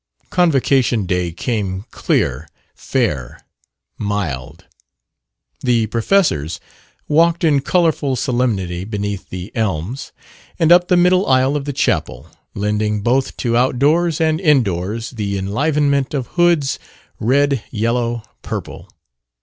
Convocation day came clear, fair, mild. The professors walked in colorful solemnity beneath the elms and up the middle aisle of the chapel, lending both to outdoors and indoors the enlivenment of hoods red, yellow, purple.